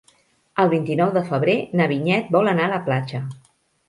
El vint-i-nou de febrer na Vinyet vol anar a la platja.